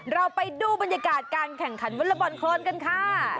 เราไปดูบรรยากาศการแข่งขันวอเลอร์บอลโครนกันค่ะ